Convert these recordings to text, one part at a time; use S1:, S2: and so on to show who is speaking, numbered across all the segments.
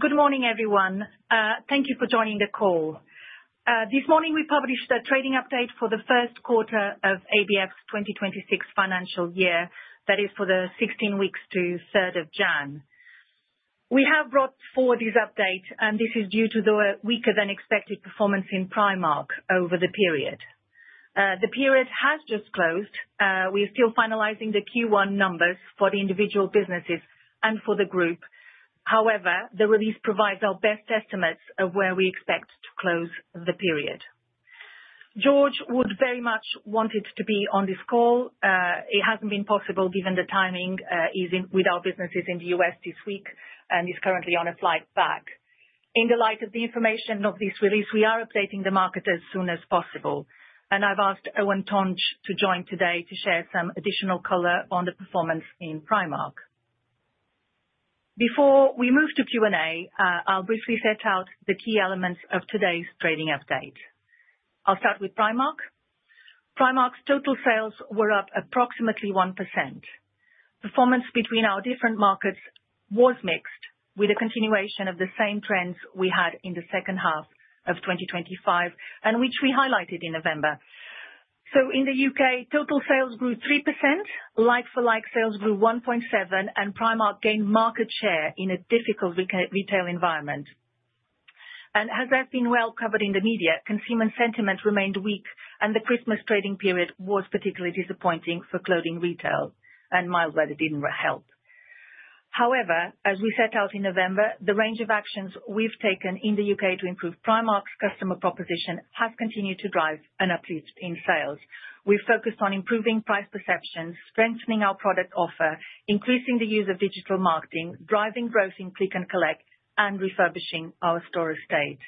S1: Good morning, everyone. Thank you for joining the call. This morning, we published a trading update for the first quarter of ABF's 2026 financial year, that is, for the 16 weeks to 3rd of January. We have brought forward this update, and this is due to the weaker-than-expected performance in Primark over the period. The period has just closed. We are still finalizing the Q1 numbers for the individual businesses and for the group. However, the release provides our best estimates of where we expect to close the period. George would very much want to be on this call. It hasn't been possible given the timing with our businesses in the U.S. this week, and he's currently on a flight back. In the light of the information of this release, we are updating the market as soon as possible. I've asked Eoin Tonge to join today to share some additional color on the performance in Primark. Before we move to Q&A, I'll briefly set out the key elements of today's trading update. I'll start with Primark. Primark's total sales were up approximately 1%. Performance between our different markets was mixed, with a continuation of the same trends we had in the second half of 2025, and which we highlighted in November. In the U.K., total sales grew 3%, like-for-like sales grew 1.7%, and Primark gained market share in a difficult retail environment. As has been well covered in the media, consumer sentiment remained weak, and the Christmas trading period was particularly disappointing for clothing retail, and mild weather didn't help. However, as we set out in November, the range of actions we've taken in the U.K. to improve Primark's customer proposition has continued to drive an uplift in sales. We've focused on improving price perceptions, strengthening our product offer, increasing the use of digital marketing, driving growth in click-and-collect, and refurbishing our store estate.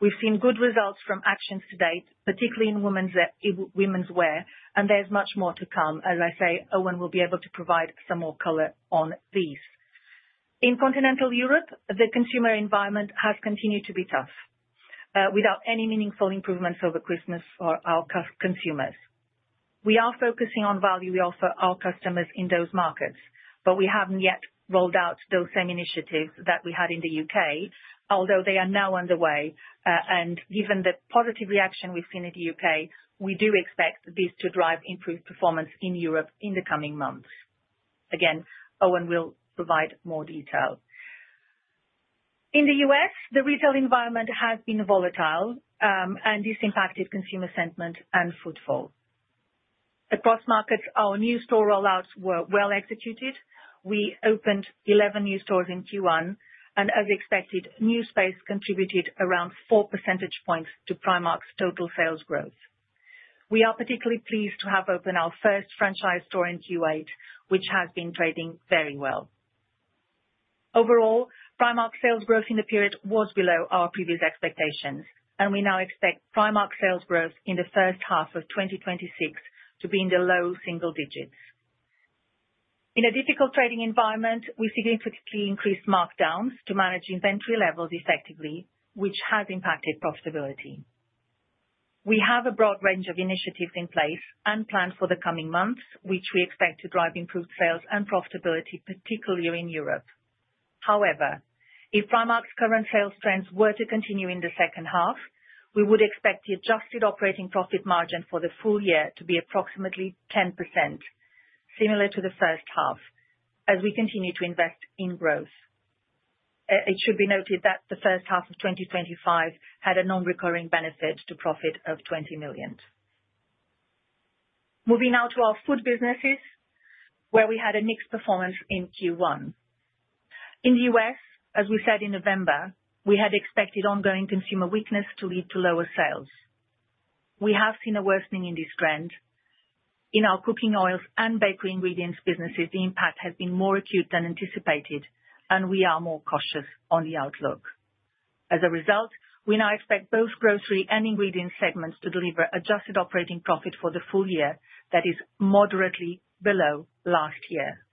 S1: We've seen good results from actions to date, particularly in women's wear, and there's much more to come. As I say, Eoin will be able to provide some more color on these. In continental Europe, the consumer environment has continued to be tough, without any meaningful improvements over Christmas for our consumers. We are focusing on value we offer our customers in those markets, but we haven't yet rolled out those same initiatives that we had in the U.K., although they are now underway. Given the positive reaction we've seen in the U.K., we do expect this to drive improved performance in Europe in the coming months. Again, Eoin will provide more detail. In the U.S., the retail environment has been volatile, and this impacted consumer sentiment and footfall. Across markets, our new store rollouts were well executed. We opened 11 new stores in Q1, and as expected, new space contributed around 4 percentage points to Primark's total sales growth. We are particularly pleased to have opened our first franchise store in Kuwait, which has been trading very well. Overall, Primark's sales growth in the period was below our previous expectations, and we now expect Primark's sales growth in the first half of 2026 to be in the low single digits. In a difficult trading environment, we significantly increased markdowns to manage inventory levels effectively, which has impacted profitability. We have a broad range of initiatives in place and planned for the coming months, which we expect to drive improved sales and profitability, particularly in Europe. However, if Primark's current sales trends were to continue in the second half, we would expect the adjusted operating profit margin for the full year to be approximately 10%, similar to the first half, as we continue to invest in growth. It should be noted that the first half of 2025 had a non-recurring benefit to profit of 20 million. Moving now to our food businesses, where we had a mixed performance in Q1. In the U.S., as we said in November, we had expected ongoing consumer weakness to lead to lower sales. We have seen a worsening in this trend. In our cooking oils and bakery businesses, the impact has been more acute than anticipated, and we are more cautious on the outlook. As a result, we now expect both Grocery and Ingredients segments to deliver adjusted operating profit for the full year that is moderately below last year.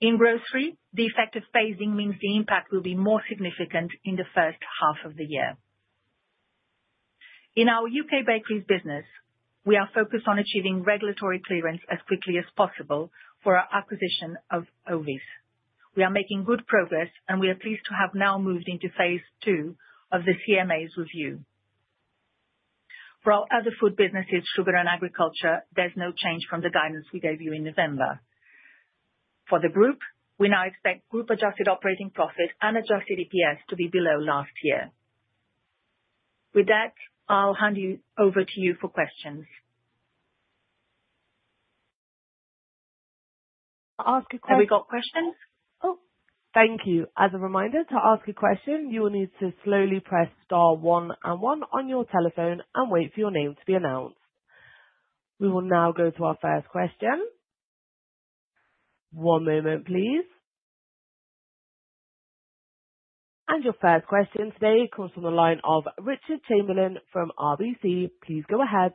S1: In Grocery, the effect of phasing means the impact will be more significant in the first half of the year. In our U.K. bakeries business, we are focused on achieving regulatory clearance as quickly as possible for our acquisition of Hovis. We are making good progress, and we are pleased to have now moved into phase two of the CMA's review. For our other food businesses, Sugar and Agriculture, there's no change from the guidance we gave you in November. For the group, we now expect group-adjusted operating profit and adjusted EPS to be below last year. With that, I'll hand you over to you for questions.
S2: Ask a question.
S1: Have we got questions?
S2: Oh, thank you. As a reminder, to ask a question, you will need to slowly press star one and one on your telephone and wait for your name to be announced. We will now go to our first question. One moment, please. And your first question today comes from the line of Richard Chamberlain from RBC. Please go ahead.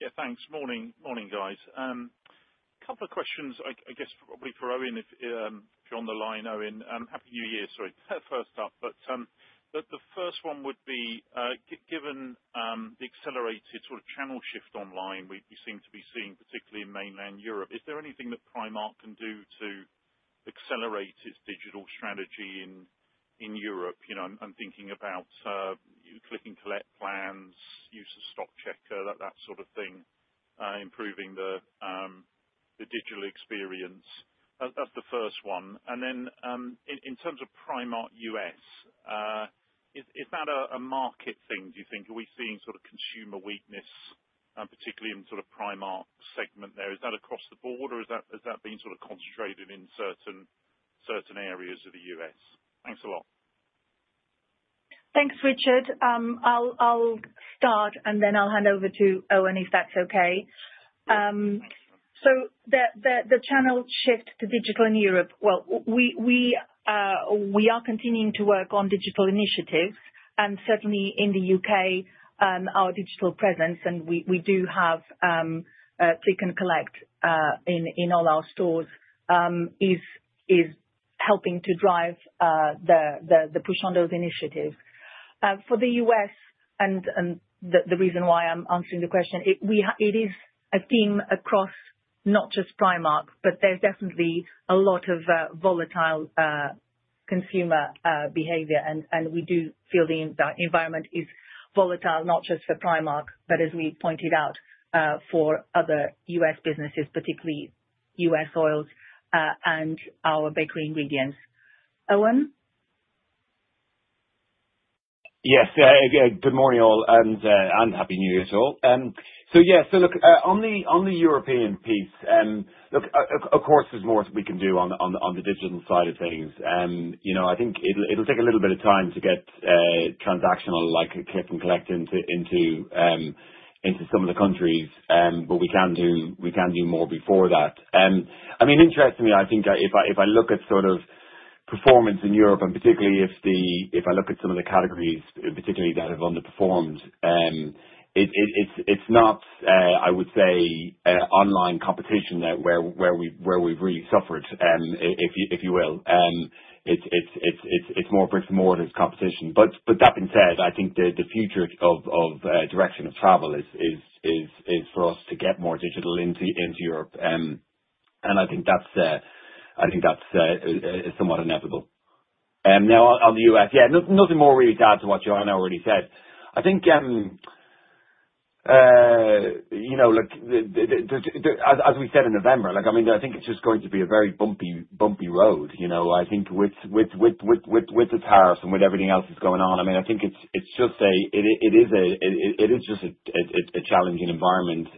S3: Yeah, thanks. Morning, morning, guys. A couple of questions, I guess, probably for Eoin if you're on the line, Eoin. Happy New Year, sorry, first up. But the first one would be, given the accelerated sort of channel shift online we seem to be seeing, particularly in mainland Europe, is there anything that Primark can do to accelerate its digital strategy in Europe? I'm thinking about click-and-collect plans, use of stock checker, that sort of thing, improving the digital experience. That's the first one. And then in terms of Primark U.S., is that a market thing, do you think? Are we seeing sort of consumer weakness, particularly in sort of Primark segment there? Is that across the board, or has that been sort of concentrated in certain areas of the U.S.? Thanks a lot.
S1: Thanks, Richard. I'll start, and then I'll hand over to Eoin if that's okay.
S3: Yeah, thanks, Eoin.
S1: So, the channel shift to digital in Europe, well, we are continuing to work on digital initiatives, and certainly in the U.K., our digital presence, and we do have click-and-collect in all our stores, is helping to drive the push on those initiatives. For the U.S., and the reason why I'm answering the question, it is a theme across not just Primark, but there's definitely a lot of volatile consumer behavior, and we do feel the environment is volatile, not just for Primark, but as we pointed out, for other U.S. businesses, particularly U.S. oils and our bakery ingredients. Eoin?
S4: Yes, good morning, all, and happy New Year to all. So yeah, so look, on the European piece, look, of course, there's more we can do on the digital side of things. I think it'll take a little bit of time to get transactional like click-and-collect into some of the countries, but we can do more before that. I mean, interestingly, I think if I look at sort of performance in Europe, and particularly if I look at some of the categories, particularly that have underperformed, it's not, I would say, online competition where we've really suffered, if you will. It's more bricks and mortars competition. But that being said, I think the future of direction of travel is for us to get more digital into Europe. And I think that's somewhat inevitable. Now, on the U.S., yeah, nothing more really to add to what Joana already said. I think, look, as we said in November, I mean, I think it's just going to be a very bumpy road. I think with the tariffs and with everything else that's going on, I mean, I think it's just a challenging environment.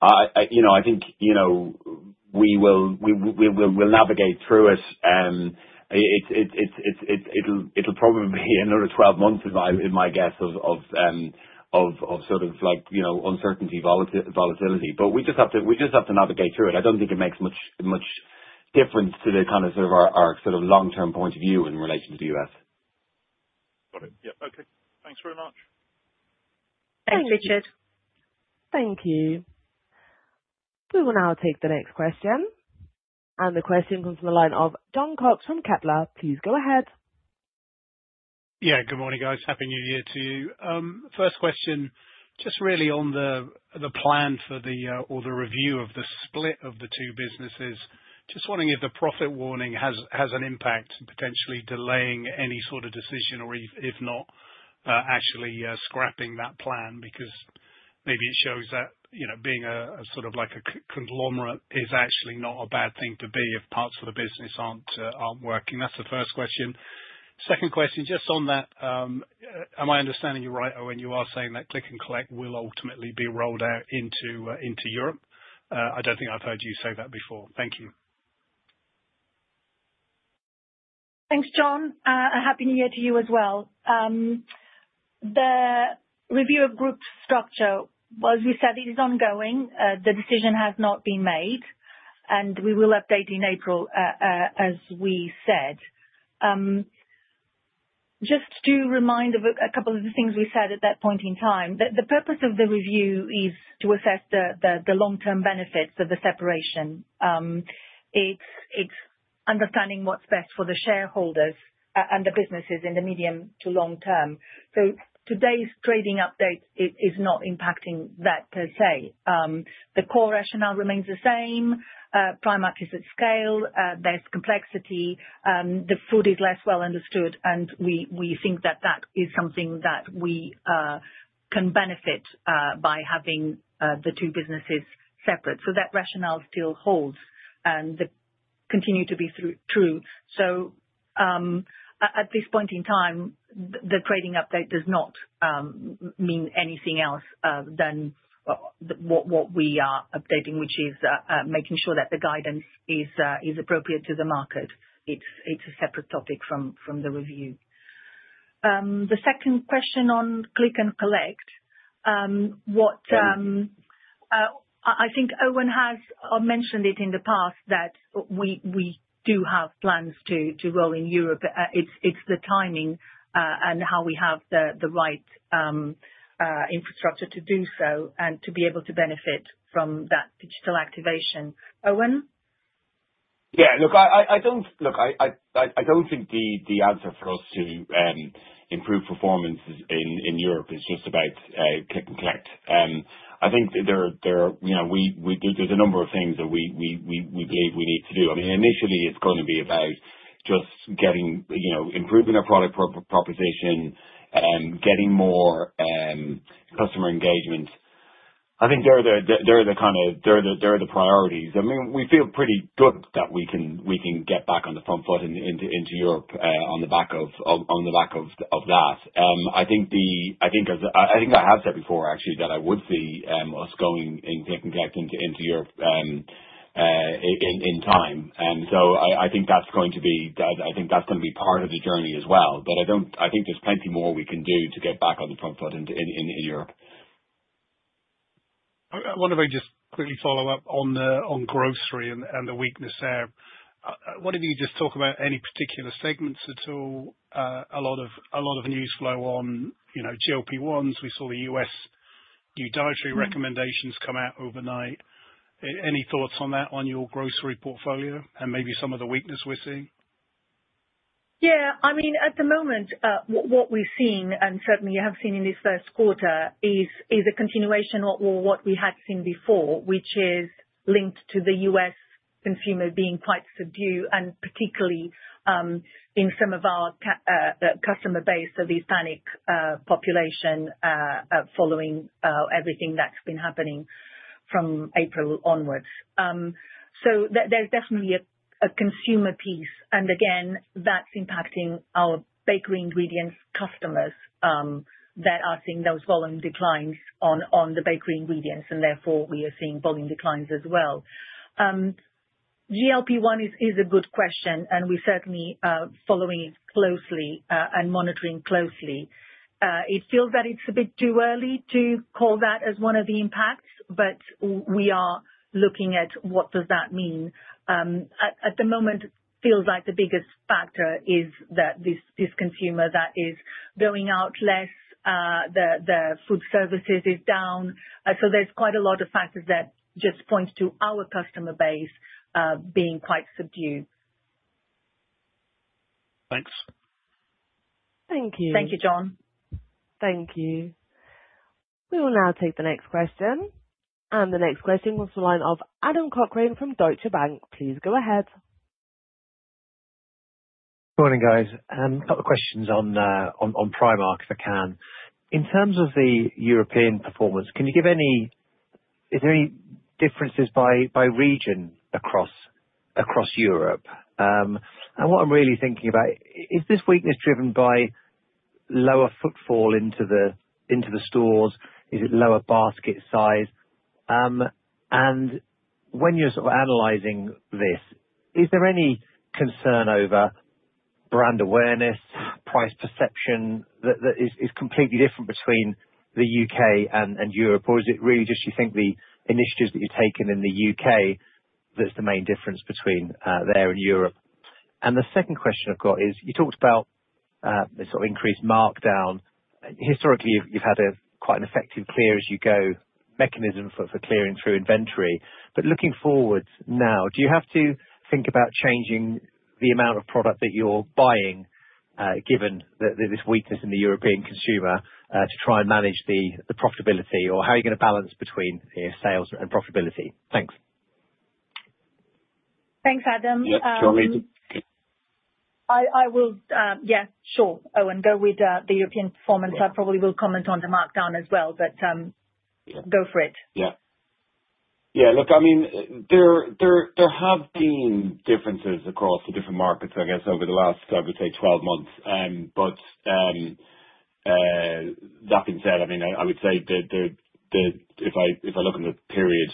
S4: I think we will navigate through it. It'll probably be another 12 months, in my guess, of sort of uncertainty, volatility. But we just have to navigate through it. I don't think it makes much difference to the kind of sort of our long-term point of view in relation to the U.S.
S3: Got it. Yeah. Okay. Thanks very much.
S1: Thanks, Richard.
S2: Thank you. We will now take the next question, and the question comes from the line of Jon Cox from Kepler. Please go ahead.
S5: Yeah, good morning, guys. Happy New Year to you. First question, just really on the plan for the review of the split of the two businesses, just wondering if the profit warning has an impact in potentially delaying any sort of decision, or if not, actually scrapping that plan, because maybe it shows that being a sort of like a conglomerate is actually not a bad thing to be if parts of the business aren't working. That's the first question. Second question, just on that, am I understanding you right, Eoin, you are saying that click-and-collect will ultimately be rolled out into Europe? I don't think I've heard you say that before. Thank you.
S1: Thanks, Jon. Happy New Year to you as well. The review of group structure, as we said, it is ongoing. The decision has not been made, and we will update in April, as we said. Just to remind of a couple of the things we said at that point in time, the purpose of the review is to assess the long-term benefits of the separation. It's understanding what's best for the shareholders and the businesses in the medium to long term. So today's trading update is not impacting that per se. The core rationale remains the same. Primark is at scale. There's complexity. The food is less well understood, and we think that that is something that we can benefit by having the two businesses separate. So that rationale still holds and continue to be true. So at this point in time, the trading update does not mean anything else than what we are updating, which is making sure that the guidance is appropriate to the market. It's a separate topic from the review. The second question on click-and-collect, I think Eoin has mentioned it in the past that we do have plans to roll out in Europe. It's the timing and how we have the right infrastructure to do so and to be able to benefit from that digital activation. Eoin?
S4: Yeah. Look, I don't think the answer for us to improve performance in Europe is just about click-and-collect. I think there are a number of things that we believe we need to do. I mean, initially, it's going to be about just improving our product proposition, getting more customer engagement. I think there are the kind of priorities. I mean, we feel pretty good that we can get back on the front foot into Europe on the back of that. I think I have said before, actually, that I would see us going into click-and-collect into Europe in time. And so I think that's going to be part of the journey as well. But I think there's plenty more we can do to get back on the front foot in Europe.
S5: I wonder if I just quickly follow up on Grocery and the weakness there. What if you just talk about any particular segments at all? A lot of news flow on GLP-1s. We saw the U.S. new dietary recommendations come out overnight. Any thoughts on that, on your Grocery portfolio and maybe some of the weakness we're seeing?
S1: Yeah. I mean, at the moment, what we've seen, and certainly have seen in this first quarter, is a continuation of what we had seen before, which is linked to the U.S. consumer being quite subdued, and particularly in some of our customer base of the Hispanic population following everything that's been happening from April onwards. So there's definitely a consumer piece. And again, that's impacting our bakery ingredients customers that are seeing those volume declines on the bakery ingredients, and therefore, we are seeing volume declines as well. GLP-1 is a good question, and we're certainly following it closely and monitoring closely. It feels that it's a bit too early to call that as one of the impacts, but we are looking at what does that mean. At the moment, it feels like the biggest factor is that this consumer that is going out less, the food services is down, so there's quite a lot of factors that just point to our customer base being quite subdued.
S5: Thanks.
S2: Thank you.
S1: Thank you, Jon.
S2: Thank you. We will now take the next question. And the next question comes from the line of Adam Cochrane from Deutsche Bank. Please go ahead.
S6: Good morning, guys. A couple of questions on Primark, if I can. In terms of the European performance, can you give any differences by region across Europe? And what I'm really thinking about is this weakness driven by lower footfall into the stores? Is it lower basket size? And when you're sort of analyzing this, is there any concern over brand awareness, price perception that is completely different between the U.K. and Europe? Or is it really just, you think, the initiatives that you've taken in the U.K. that's the main difference between there and Europe? And the second question I've got is, you talked about this sort of increased markdown. Historically, you've had quite an effective clear as you go mechanism for clearing through inventory. But looking forward now, do you have to think about changing the amount of product that you're buying, given this weakness in the European consumer, to try and manage the profitability? Or how are you going to balance between sales and profitability? Thanks.
S1: Thanks, Adam.
S4: Yeah, do you want me to?
S1: Yeah, sure, Eoin, go with the European performance. I probably will comment on the markdown as well, but go for it.
S4: Yeah. Yeah. Look, I mean, there have been differences across the different markets, I guess, over the last, I would say, 12 months. But that being said, I mean, I would say that if I look at the period,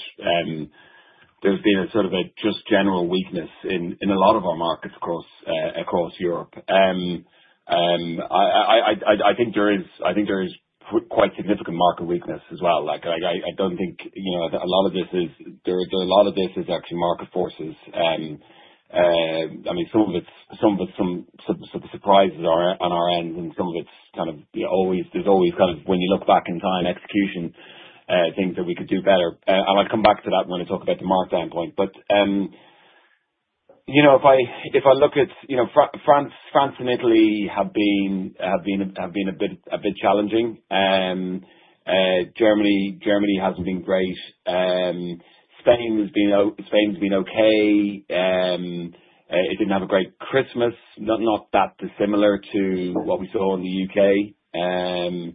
S4: there's been a sort of just general weakness in a lot of our markets across Europe. I think there is quite significant market weakness as well. I don't think a lot of this is actually market forces. I mean, some of the surprises are on our end, and some of it's kind of, there's always kind of, when you look back in time, execution things that we could do better. And I'll come back to that when I talk about the markdown point. But if I look at France and Italy, have been a bit challenging. Germany hasn't been great. Spain has been okay. It didn't have a great Christmas, not that dissimilar to what we saw in the U.K.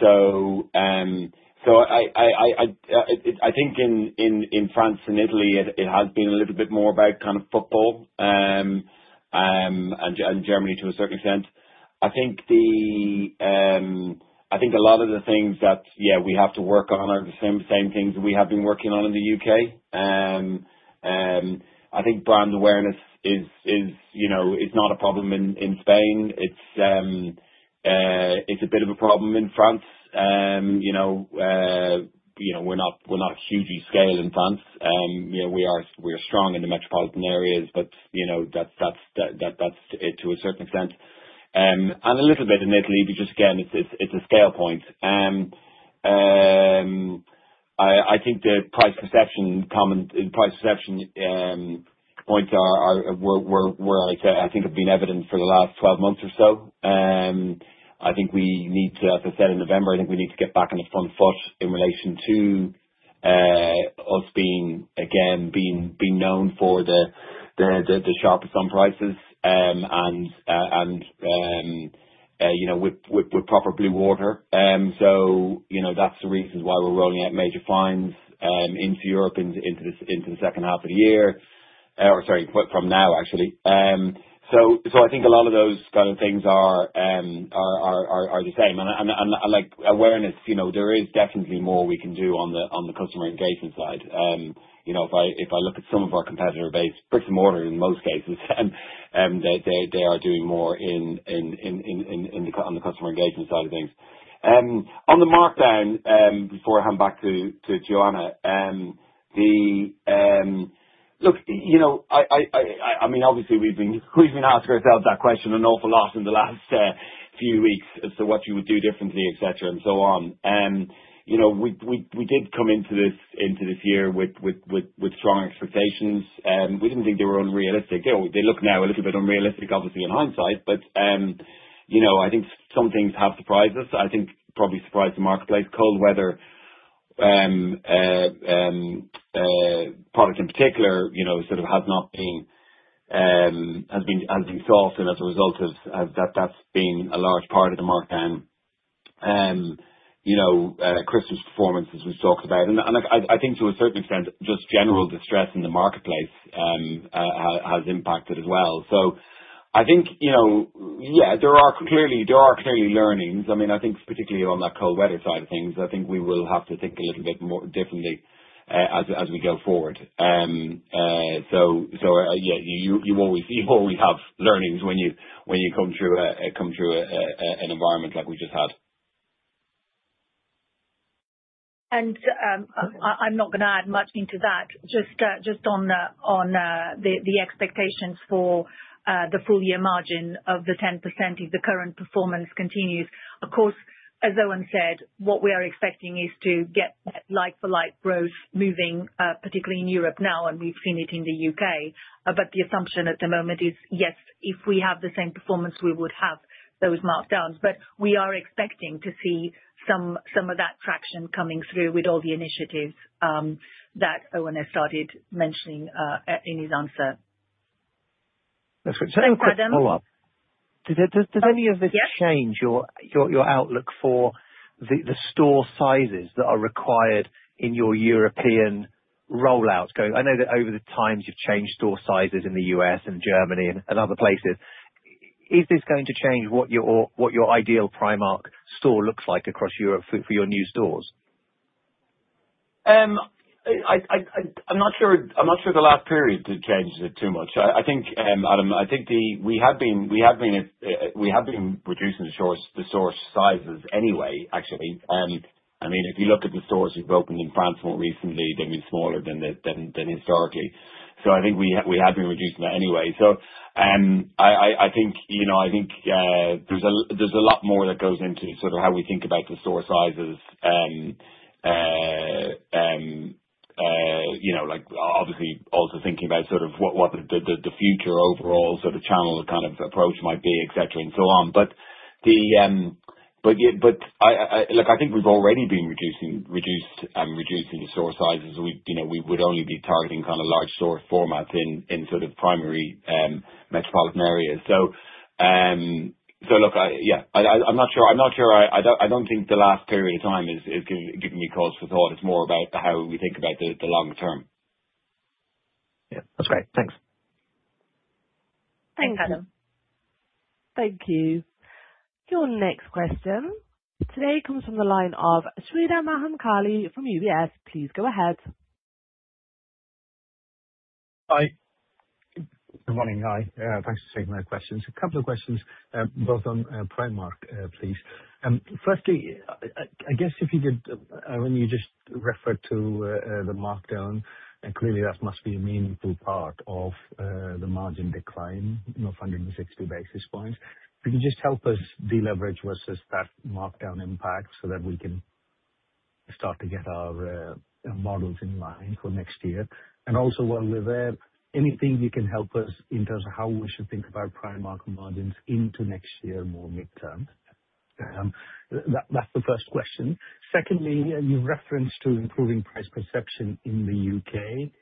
S4: So I think in France and Italy, it has been a little bit more about kind of footfall and Germany to a certain extent. I think a lot of the things that, yeah, we have to work on are the same things we have been working on in the U.K. I think brand awareness is not a problem in Spain. It's a bit of a problem in France. We're not hugely scale in France. We are strong in the metropolitan areas, but that's it to a certain extent. And a little bit in Italy, but just again, it's a scale point. I think the price perception point where I think have been evident for the last 12 months or so. I think we need to, as I said in November, I think we need to get back on the front foot in relation to us being, again, being known for the sharpest on prices and with proper blue water. So that's the reasons why we're rolling out major lines into Europe into the second half of the year, or sorry, from now, actually. So I think a lot of those kind of things are the same. And like awareness, there is definitely more we can do on the customer engagement side. If I look at some of our competitor base, bricks and mortar in most cases, they are doing more on the customer engagement side of things. On the markdown, before I hand back to Joana, look, I mean, obviously, we've been asking ourselves that question an awful lot in the last few weeks as to what you would do differently, etc., and so on. We did come into this year with strong expectations. We didn't think they were unrealistic. They look now a little bit unrealistic, obviously, in hindsight. But I think some things have surprised us. I think probably surprised the marketplace. Cold weather product in particular sort of has not been softened as a result of that. That's been a large part of the markdown. Christmas performance, as we've talked about, and I think to a certain extent, just general distress in the marketplace has impacted as well, so I think, yeah, there are clearly learnings. I mean, I think particularly on that cold weather side of things, I think we will have to think a little bit more differently as we go forward. So yeah, you always have learnings when you come through an environment like we just had.
S1: I'm not going to add much into that, just on the expectations for the full-year margin of the 10% if the current performance continues. Of course, as Eoin said, what we are expecting is to get like-for-like growth moving, particularly in Europe now, and we've seen it in the U.K. The assumption at the moment is, yes, if we have the same performance, we would have those markdowns. We are expecting to see some of that traction coming through with all the initiatives that Eoin has started mentioning in his answer.
S6: That's great.
S1: So any question
S6: To follow up? Does any of this change your outlook for the store sizes that are required in your European rollout? I know that over time, you've changed store sizes in the U.S. and Germany and other places. Is this going to change what your ideal Primark store looks like across Europe for your new stores?
S4: I'm not sure the last period changed it too much. I think, Adam, I think we have been reducing the store sizes anyway, actually. I mean, if you look at the stores we've opened in France more recently, they've been smaller than historically. So I think we have been reducing that anyway. So I think there's a lot more that goes into sort of how we think about the store sizes, obviously, also thinking about sort of what the future overall sort of channel kind of approach might be, etc., and so on. But I think we've already been reducing the store sizes. We would only be targeting kind of large store formats in sort of primary metropolitan areas. So look, yeah, I'm not sure. I don't think the last period of time is giving me cause for thought. It's more about how we think about the long term.
S6: Yeah. That's great. Thanks.
S1: Thanks, Adam.
S2: Thank you. Your next question today comes from the line of Sreedhar Mahamkali from UBS. Please go ahead.
S7: Hi. Good morning. Hi. Thanks for taking my questions. A couple of questions, both on Primark, please. Firstly, I guess if you could, when you just referred to the markdown, clearly, that must be a meaningful part of the margin decline, 160 basis points. If you could just help us deleverage versus that markdown impact so that we can start to get our models in line for next year. And also, while we're there, anything you can help us in terms of how we should think about Primark margins into next year, more midterm? That's the first question. Secondly, you've referenced to improving price perception in the U.K.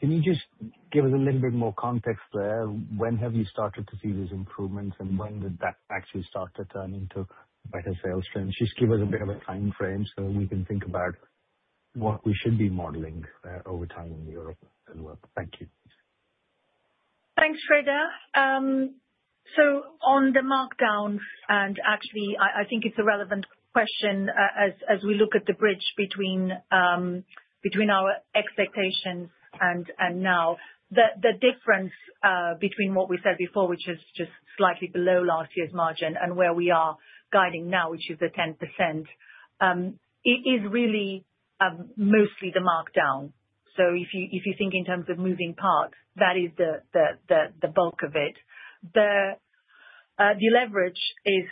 S7: Can you just give us a little bit more context there? When have you started to see these improvements, and when did that actually start to turn into better sales trends? Just give us a bit of a time frame so we can think about what we should be modeling over time in Europe as well. Thank you.
S1: Thanks, Sreedhar. So on the markdown, and actually, I think it's a relevant question as we look at the bridge between our expectations and now, the difference between what we said before, which is just slightly below last year's margin, and where we are guiding now, which is the 10%, it is really mostly the markdown. So if you think in terms of moving parts, that is the bulk of it. The deleverage is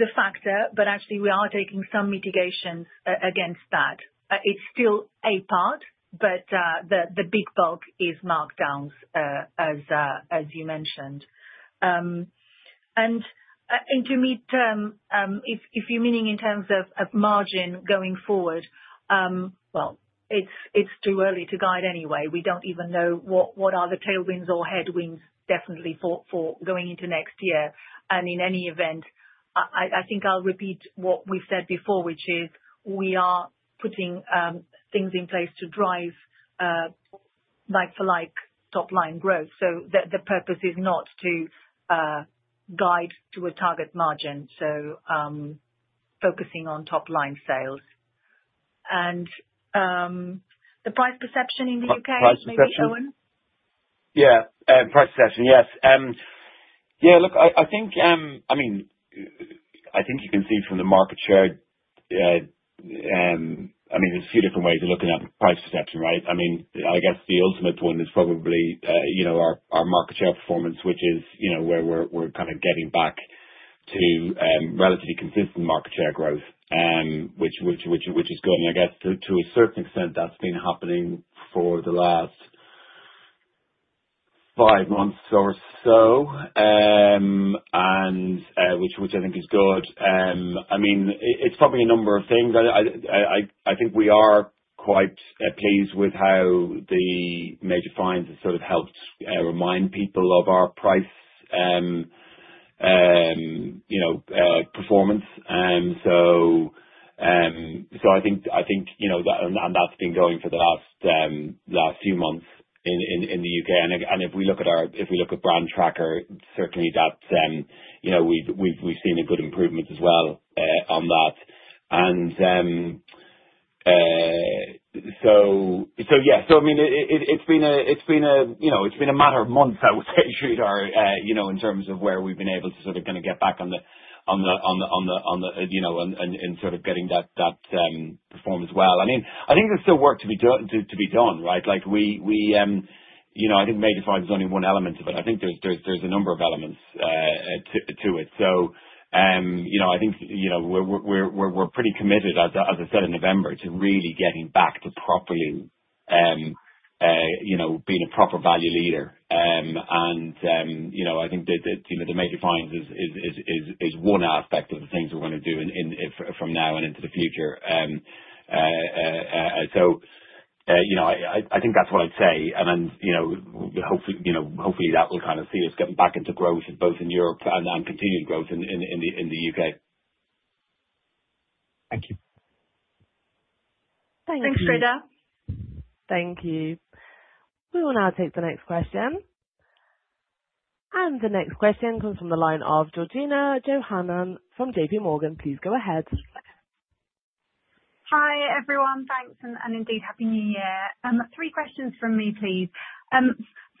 S1: a factor, but actually, we are taking some mitigations against that. It's still a part, but the big bulk is markdowns, as you mentioned. And into midterm, if you're meaning in terms of margin going forward, well, it's too early to guide anyway. We don't even know what are the tailwinds or headwinds, definitely, for going into next year. And in any event, I think I'll repeat what we've said before, which is we are putting things in place to drive like-for-like top-line growth. So the purpose is not to guide to a target margin, so focusing on top-line sales. And the price perception in the U.K., maybe, Eoin?
S4: Yeah. Price perception, yes. Yeah. Look, I think, I mean, I think you can see from the market share. I mean, there's a few different ways of looking at price perception, right? I mean, I guess the ultimate point is probably our market share performance, which is where we're kind of getting back to relatively consistent market share growth, which is good. And I guess to a certain extent, that's been happening for the last five months or so, which I think is good. I mean, it's probably a number of things. I think we are quite pleased with how the major fines have sort of helped remind people of our price performance. So I think that's been going for the last few months in the U.K. And if we look at our brand tracker, certainly, we've seen a good improvement as well on that. It's been a matter of months, I would say, Sreedhar, in terms of where we've been able to sort of kind of get back on the in sort of getting that performance. Well, I mean, I think there's still work to be done, right? I think major fines is only one element of it. I think there's a number of elements to it. We're pretty committed, as I said in November, to really getting back to properly being a proper value leader. I think that the major fines is one aspect of the things we're going to do from now and into the future. That's what I'd say. Then hopefully, that will kind of see us getting back into growth, both in Europe and continued growth in the U.K.
S7: Thank you.
S1: Thanks, Sreedhar.
S2: Thank you. We will now take the next question. And the next question comes from the line of Georgina Johanan from JPMorgan. Please go ahead.
S8: Hi, everyone. Thanks, and indeed, Happy New Year. Three questions from me, please.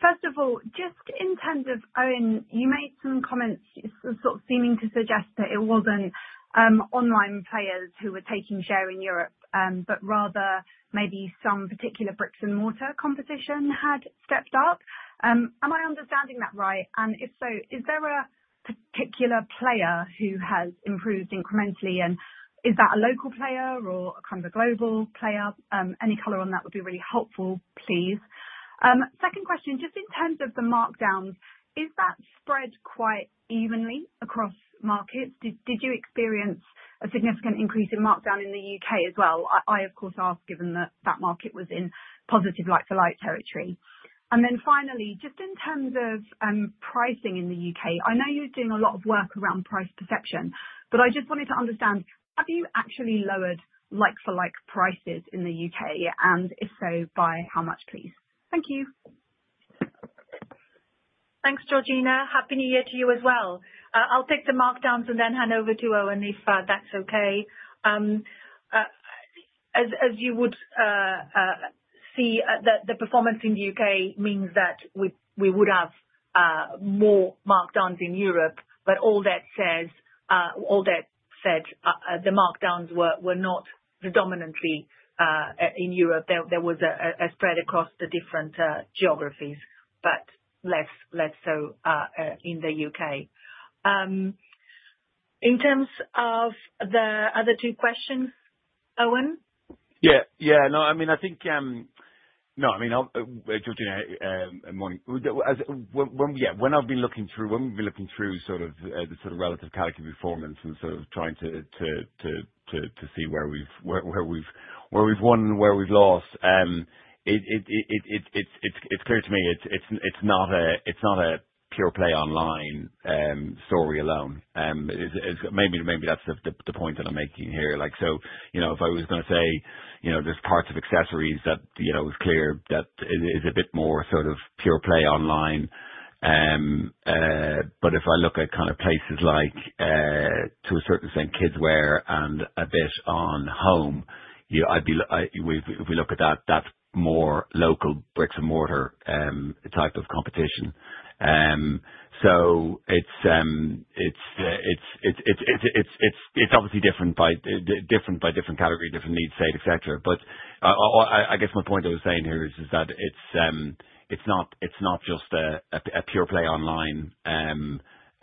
S8: First of all, just in terms of Eoin, you made some comments sort of seeming to suggest that it wasn't online players who were taking share in Europe, but rather maybe some particular bricks and mortar competition had stepped up. Am I understanding that right? And if so, is there a particular player who has improved incrementally? And is that a local player or kind of a global player? Any color on that would be really helpful, please. Second question, just in terms of the markdowns, is that spread quite evenly across markets? Did you experience a significant increase in markdown in the U.K. as well? I ask, of course, given that that market was in positive like-for-like territory. And then finally, just in terms of pricing in the U.K., I know you're doing a lot of work around price perception, but I just wanted to understand, have you actually lowered like-for-like prices in the U.K.? And if so, by how much, please? Thank you.
S1: Thanks, Georgina. Happy New Year to you as well. I'll take the markdowns and then hand over to Eoin, if that's okay. As you would see, the performance in the U.K. means that we would have more markdowns in Europe, but all that said, the markdowns were not predominantly in Europe. There was a spread across the different geographies, but less so in the U.K. In terms of the other two questions, Eoin?
S4: Yeah. No, I mean, Georgina, morning. Yeah. When we've been looking through the relative category performance and trying to see where we've won, where we've lost, it's clear to me it's not a pure-play online story alone. Maybe that's the point that I'm making here. So if I was going to say there's parts of accessories that it's clear that is a bit more sort of pure-play online. But if I look at kind of places like, to a certain extent, kidswear and a bit on home, if we look at that, that's more local bricks-and-mortar type of competition. So it's obviously different by different category, different needs state, etc. But I guess my point I was saying here is that it's not just a pure-play online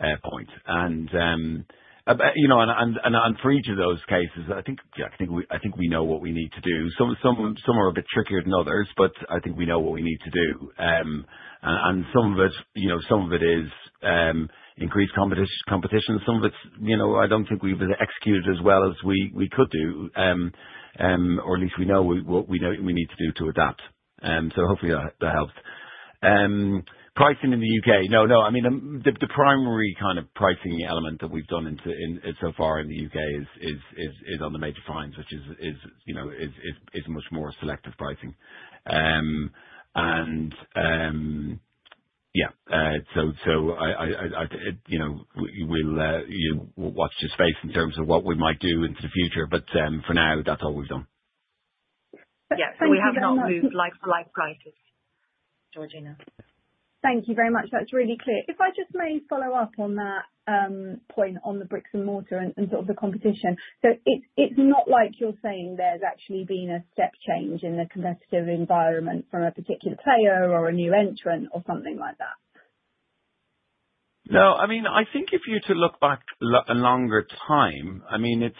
S4: point. And for each of those cases, I think we know what we need to do. Some are a bit trickier than others, but I think we know what we need to do. And some of it is increased competition. Some of it, I don't think we've executed as well as we could do, or at least we know what we need to do to adapt. So hopefully, that helps. Pricing in the U.K. No, no. I mean, the primary kind of pricing element that we've done so far in the U.K. is on the major lines, which is much more selective pricing. And yeah. So I think we'll watch this space in terms of what we might do into the future. But for now, that's all we've done.
S1: Yeah. Thank you. We have not moved like-for-like prices, Georgina.
S8: Thank you very much. That's really clear. If I just may follow up on that point on the bricks-and-mortar and sort of the competition, so it's not like you're saying there's actually been a step change in the competitive environment from a particular player or a new entrant or something like that.
S4: No. I mean, I think if you were to look back a longer time, I mean, you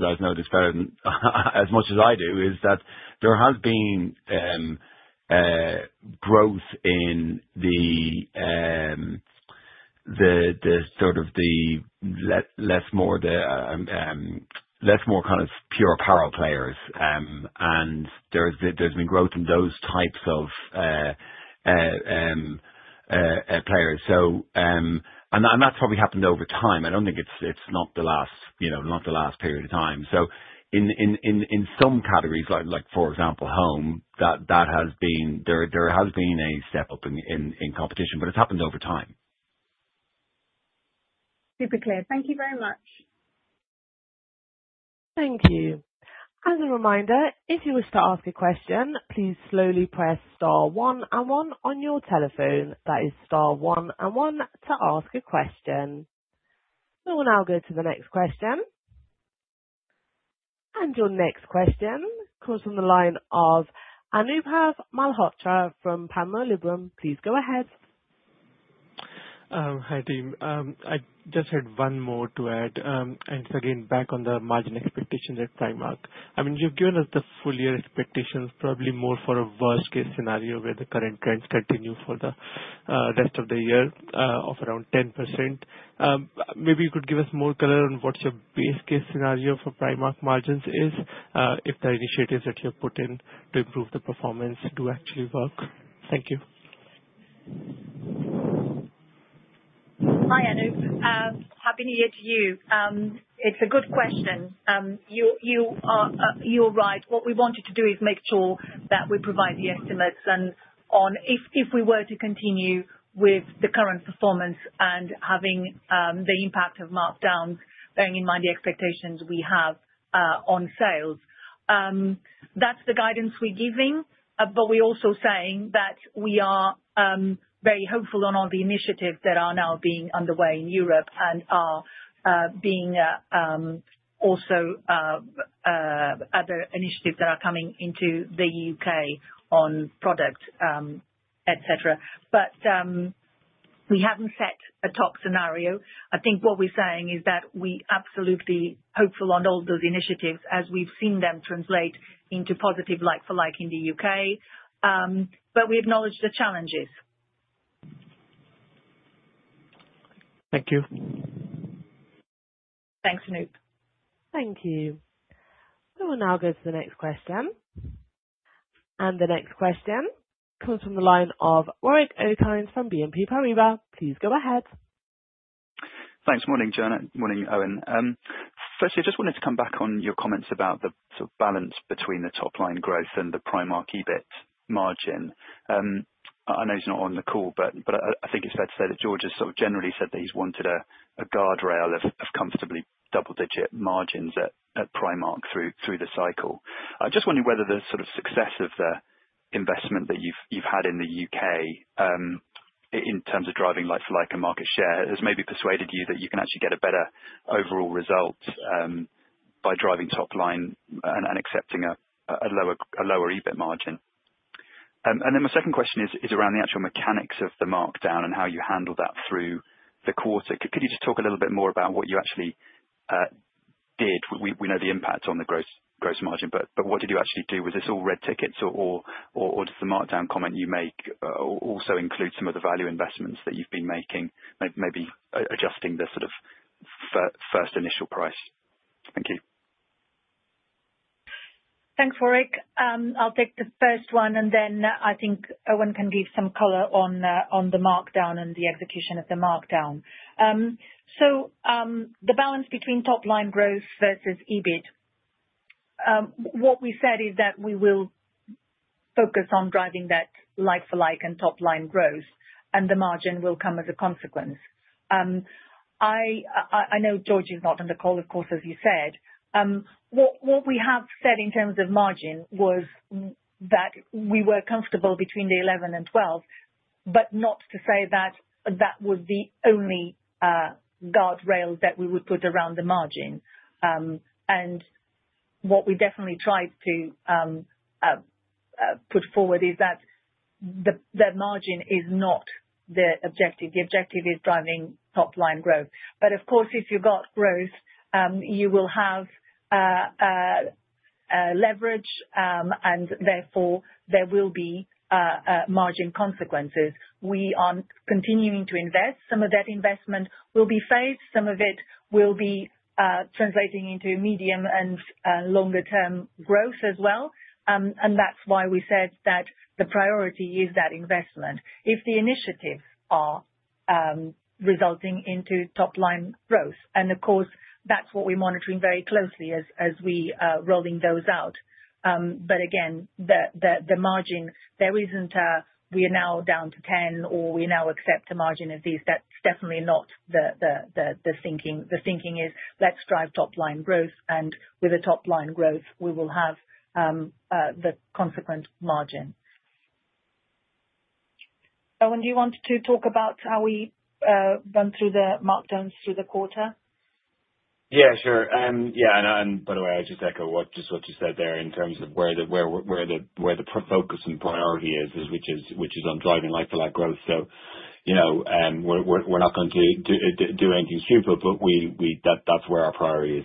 S4: guys know this better as much as I do, is that there has been growth in the sort of the less more kind of pure-apparel players. And there's been growth in those types of players. And that's probably happened over time. I don't think it's not the last period of time. So in some categories, like for example, home, there has been a step up in competition, but it's happened over time.
S8: Super clear. Thank you very much.
S2: Thank you. As a reminder, if you were to ask a question, please slowly press star one and one on your telephone. That is star one and one to ask a question. We will now go to the next question, and your next question comes from the line of Anubhav Malhotra from Panmure Liberum. Please go ahead.
S9: Hi, team. I just had one more to add, and it's again back on the margin expectations at Primark. I mean, you've given us the full year expectations, probably more for a worst-case scenario where the current trends continue for the rest of the year of around 10%. Maybe you could give us more color on what your base-case scenario for Primark margins is, if the initiatives that you've put in to improve the performance do actually work? Thank you.
S1: Hi, Anub. Happy New Year to you. It's a good question. You're right. What we wanted to do is make sure that we provide the estimates on if we were to continue with the current performance and having the impact of markdowns, bearing in mind the expectations we have on sales. That's the guidance we're giving, but we're also saying that we are very hopeful on all the initiatives that are now being underway in Europe and are being also other initiatives that are coming into the U.K. on products, etc. But we haven't set a top scenario. I think what we're saying is that we're absolutely hopeful on all those initiatives as we've seen them translate into positive like-for-like in the U.K. But we acknowledge the challenges.
S9: Thank you.
S1: Thanks, Anub.
S2: Thank you. We will now go to the next question. And the next question comes from the line of Warwick Okines from BNP Paribas. Please go ahead.
S10: Thanks. Morning, Eoin. Firstly, I just wanted to come back on your comments about the sort of balance between the top-line growth and the Primark EBIT margin. I know he's not on the call, but I think it's fair to say that George has sort of generally said that he's wanted a guardrail of comfortably double-digit margins at Primark through the cycle. I just wondered whether the sort of success of the investment that you've had in the U.K. in terms of driving like-for-like and market share has maybe persuaded you that you can actually get a better overall result by driving top-line and accepting a lower EBIT margin. And then my second question is around the actual mechanics of the markdown and how you handled that through the quarter. Could you just talk a little bit more about what you actually did? We know the impact on the gross margin, but what did you actually do? Was this all red tickets, or does the markdown comment you make also include some of the value investments that you've been making, maybe adjusting the sort of first initial price? Thank you.
S1: Thanks, Warwick. I'll take the first one, and then I think Eoin can give some color on the markdown and the execution of the markdown. So the balance between top-line growth versus EBIT, what we said is that we will focus on driving that like-for-like and top-line growth, and the margin will come as a consequence. I know George is not on the call, of course, as you said. What we have said in terms of margin was that we were comfortable between the 11 and 12, but not to say that that was the only guardrail that we would put around the margin. What we definitely tried to put forward is that the margin is not the objective. The objective is driving top-line growth. Of course, if you've got growth, you will have leverage, and therefore, there will be margin consequences. We are continuing to invest. Some of that investment will be phased. Some of it will be translating into medium and longer-term growth as well. And that's why we said that the priority is that investment, if the initiatives are resulting into top-line growth. And of course, that's what we're monitoring very closely as we are rolling those out. But again, the margin, there isn't a, "We are now down to 10," or, "We now accept a margin of these." That's definitely not the thinking. The thinking is, "Let's drive top-line growth, and with the top-line growth, we will have the consequent margin." Eoin, do you want to talk about how we run through the markdowns through the quarter?
S4: Yeah, sure. Yeah. And by the way, I just echo what you said there in terms of where the focus and priority is, which is on driving like-for-like growth. So we're not going to do anything stupid, but that's where our priority is.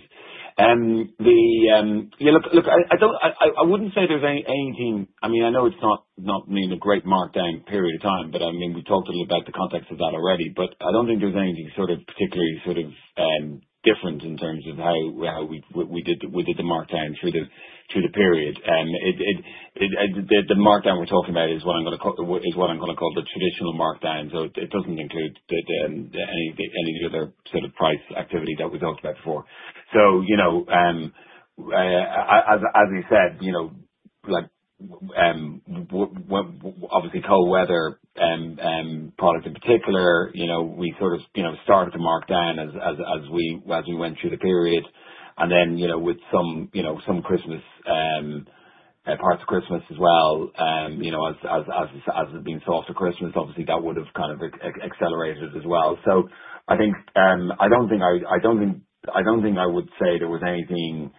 S4: Yeah. Look, I wouldn't say there's anything. I mean, I know it's not been a great markdown period of time, but I mean, we talked a little about the context of that already. But I don't think there's anything sort of particularly different in terms of how we did the markdown through the period. The markdown we're talking about is what I'm going to call the traditional markdown. So it doesn't include any of the other sort of price activity that we talked about before. So, as we said, obviously, cold weather product in particular, we sort of started the markdown as we went through the period. And then with some Christmas parts of Christmas as well, as it's being sold for Christmas, obviously, that would have kind of accelerated it as well. So, I don't think I would say there was anything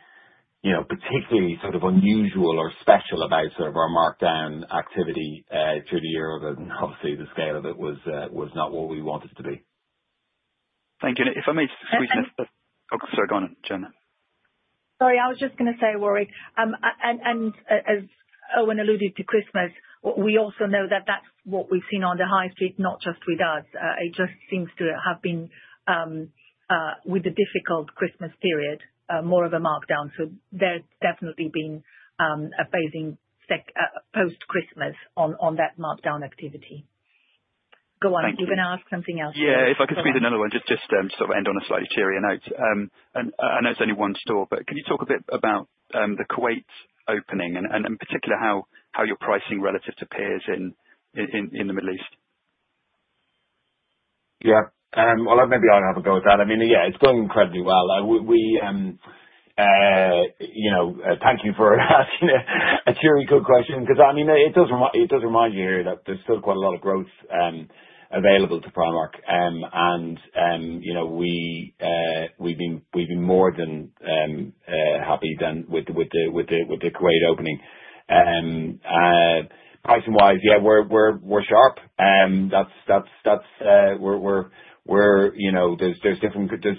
S4: particularly sort of unusual or special about sort of our markdown activity through the year other than, obviously, the scale of it was not what we wanted it to be.
S10: Thank you, and if I may just squeeze in.
S1: And.
S10: Oh, sorry. Go on, Joana.
S1: Sorry. I was just going to say, Warwick, and as Eoin alluded to Christmas, we also know that that's what we've seen on the high street, not just with us. It just seems to have been with the difficult Christmas period, more of a markdown. So there's definitely been a phasing post-Christmas on that markdown activity. Go on. You're going to ask something else.
S10: Yeah. If I could squeeze in another one, just to sort of end on a slightly cheerier note. I know it's only one store, but can you talk a bit about the Kuwait opening and in particular how your pricing relative to peers in the Middle East?
S4: Yeah. Well, maybe I'll have a go at that. I mean, yeah, it's going incredibly well. Thank you for asking a cheery, good question. Because I mean, it does remind you here that there's still quite a lot of growth available to Primark, and we've been more than happy with the Kuwait opening. Pricing-wise, yeah, we're sharp. That's where there's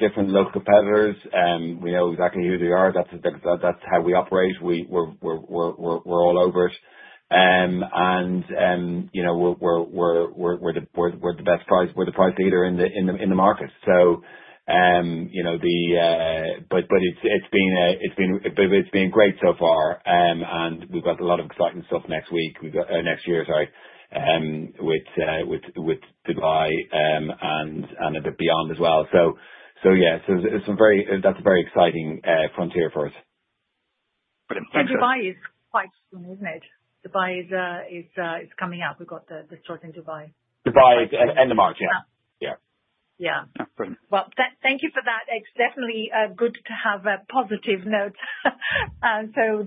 S4: different local competitors. We know exactly who they are. That's how we operate. We're all over it, and we're the best price leader in the market. So, but it's been great so far, and we've got a lot of exciting stuff next week or next year, sorry, with Dubai and a bit beyond as well. So yeah, that's a very exciting frontier for us.
S10: Brilliant. Thanks for.
S1: Dubai is quite soon, isn't it? Dubai is coming up. We've got the stores in Dubai.
S10: Dubai is end of March, yeah. Yeah.
S1: Yeah.
S10: Brilliant.
S1: Thank you for that. It's definitely good to have a positive note.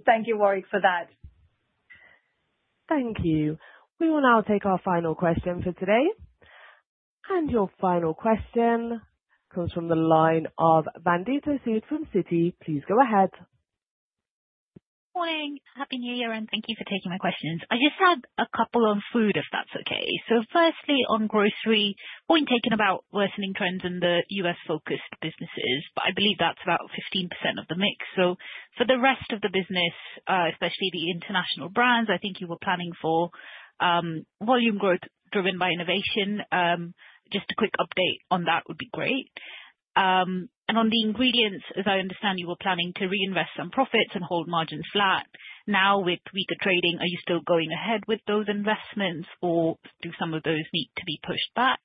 S1: Thank you, Warwick, for that.
S2: Thank you. We will now take our final question for today. Your final question comes from the line of Vandita Sood from Citi. Please go ahead.
S11: Morning. Happy New Year, and thank you for taking my questions. I just had a couple on food, if that's okay. So firstly, on Grocery, we've been talking about worsening trends in the U.S.-focused businesses, but I believe that's about 15% of the mix. So for the rest of the business, especially the international brands, I think you were planning for volume growth driven by innovation. Just a quick update on that would be great. And on the Ingredients, as I understand, you were planning to reinvest some profits and hold margins flat. Now, with weaker trading, are you still going ahead with those investments, or do some of those need to be pushed back?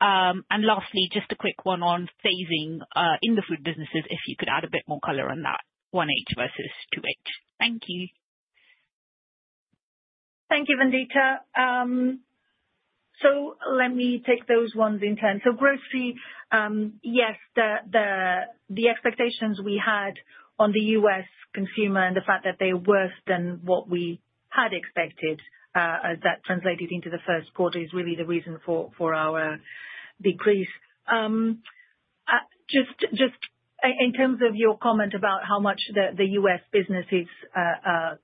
S11: And lastly, just a quick one on phasing in the food businesses, if you could add a bit more color on that, 1H versus 2H. Thank you.
S1: Thank you, Vandita. So let me take those ones in turn. So Grocery, yes, the expectations we had on the U.S. consumer and the fact that they were worse than what we had expected as that translated into the first quarter is really the reason for our decrease. Just in terms of your comment about how much the U.S. business is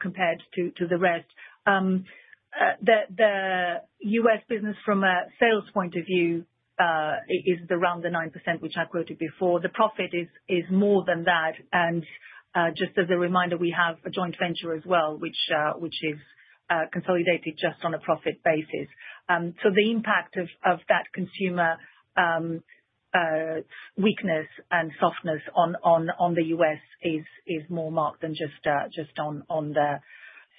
S1: compared to the rest, the U.S. business from a sales point of view is around the 9%, which I quoted before. The profit is more than that. And just as a reminder, we have a joint venture as well, which is consolidated just on a profit basis. So the impact of that consumer weakness and softness on the U.S. is more marked than just on the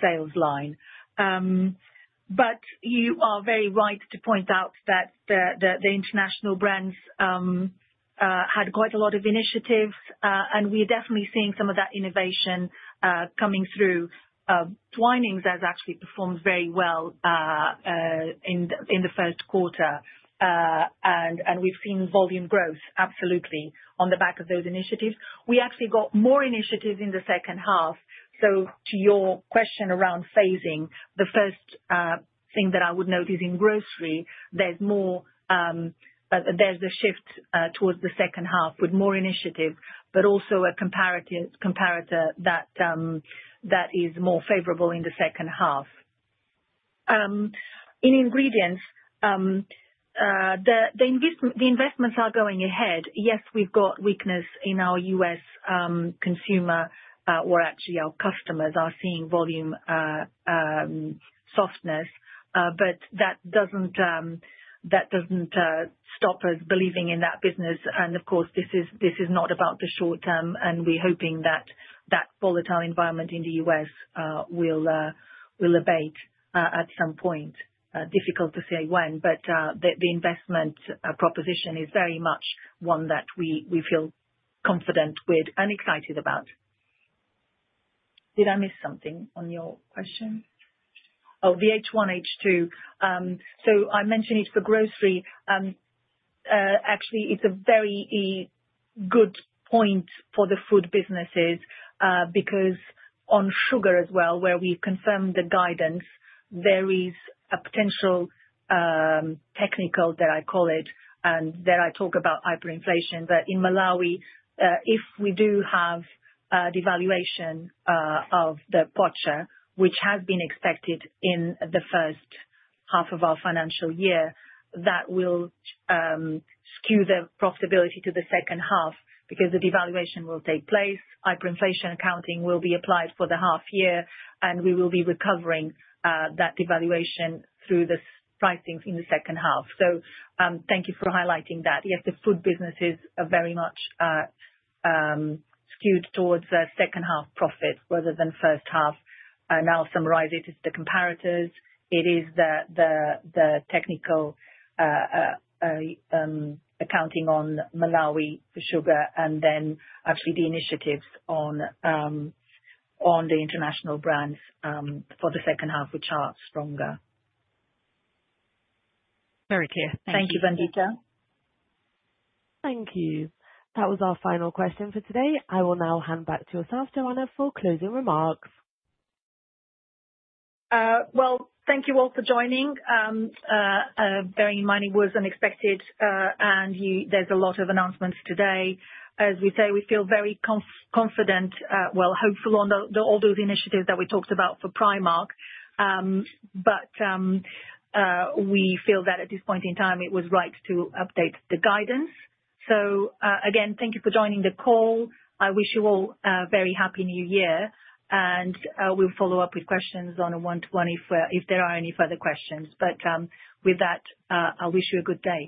S1: sales line. But you are very right to point out that the international brands had quite a lot of initiatives, and we're definitely seeing some of that innovation coming through. Twinings has actually performed very well in the first quarter, and we've seen volume growth, absolutely, on the back of those initiatives. We actually got more initiatives in the second half. So to your question around phasing, the first thing that I would note is in Grocery, there's a shift towards the second half with more initiative, but also a comparator that is more favorable in the second half. In Ingredients, the investments are going ahead. Yes, we've got weakness in our U.S. consumer, or actually our customers are seeing volume softness, but that doesn't stop us believing in that business. And of course, this is not about the short term, and we're hoping that that volatile environment in the U.S. will abate at some point. Difficult to say when, but the investment proposition is very much one that we feel confident with and excited about. Did I miss something on your question?
S11: Oh, the H1, H2.
S1: So I mentioned it for Grocery. Actually, it's a very good point for the food businesses because on Sugar as well, where we've confirmed the guidance, there is a potential technical, that I call it, and that I talk about hyperinflation. But in Malawi, if we do have devaluation of the kwacha, which has been expected in the first half of our financial year, that will skew the profitability to the second half because the devaluation will take place. Hyperinflation accounting will be applied for the half year, and we will be recovering that devaluation through the pricings in the second half. So thank you for highlighting that. Yes, the food businesses are very much skewed towards the second half profit rather than first half. And I'll summarize it. It's the comparators. It is the technical accounting on Malawi for Sugar, and then actually the initiatives on the international brands for the second half, which are stronger.
S11: Very clear. Thank you.
S1: Thank you, Vandita.
S2: Thank you. That was our final question for today. I will now hand back to yourself, Joana, for closing remarks.
S1: Thank you all for joining. Very meaty words unexpected, and there's a lot of announcements today. As we say, we feel very confident, well, hopeful on all those initiatives that we talked about for Primark. But we feel that at this point in time, it was right to update the guidance. So again, thank you for joining the call. I wish you all a very Happy New Year, and we'll follow up with questions on a one-to-one if there are any further questions. But with that, I wish you a good day.